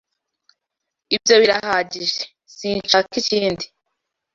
Ibyo birahagije. Sinshaka ikindi.